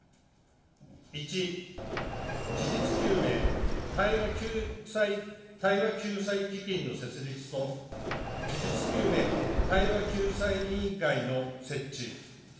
１、事実究明対話救済基金の設立と事実究明対話救済委員会の設置。